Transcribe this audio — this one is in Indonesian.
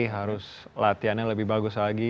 harus latihannya lebih bagus lagi